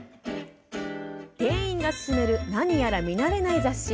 店員が勧める何やら見慣れない雑誌。